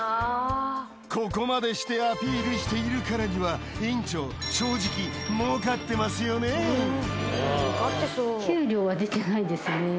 ここまでしてアピールしているからには院長正直儲かってますよね？